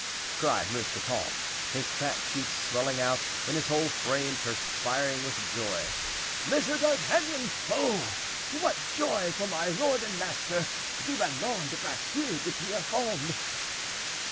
cried Mousqueton, his fat cheeks swelling out and his whole frame perspiring with joy; "Monsieur d'Artagnan! oh! what joy for my lord and master, Du Vallon de Bracieux de Pierrefonds!"